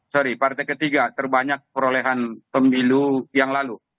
sorry partai ketiga terbanyak perolehan pemilu yang lalu